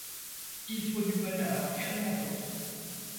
Il faut du bonheur et rien d'autre.